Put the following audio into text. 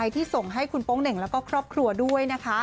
ที่ส่งให้คุณพ่อป้องเด่งและครอบครัวด้วย